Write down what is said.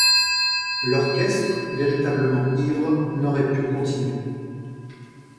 L’orchestre, véritablement ivre, n’aurait pu continuer.